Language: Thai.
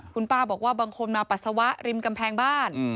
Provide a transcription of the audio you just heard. คุณป้าบอกว่าบางคนมาปัสสาวะริมกำแพงบ้าน